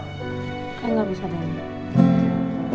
kayaknya gak bisa deh ini